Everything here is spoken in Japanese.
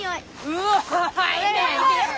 うわ！